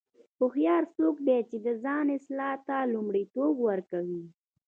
هوښیار څوک دی چې د ځان اصلاح ته لومړیتوب ورکوي.